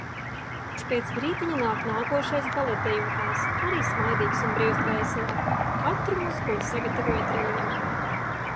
Pēc brītiņa nāk nākošais baletdejotājs, arī smaidīgs un brīvs dvēselē. Katru muskuli sagatavoja treniņam.